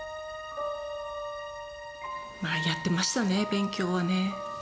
やってましたね、勉強はね。